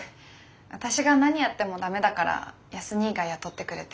私が何やってもダメだから康にぃが雇ってくれて。